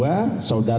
yang ketiga saudara kpb